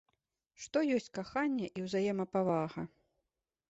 Што ёсць каханне і ўзаемапавага?